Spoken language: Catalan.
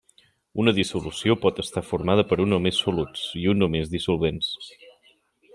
Una dissolució pot estar formada per un o més soluts i un o més dissolvents.